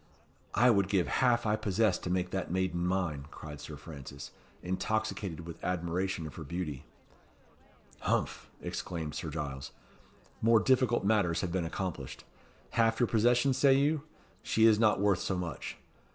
"I would give half I possess to make that maiden mine," cried Sir Francis, intoxicated with admiration of her beauty. "Humph!" exclaimed Sir Giles. "More difficult matters have been accomplished. Half your possessions, say you? She is not worth so much.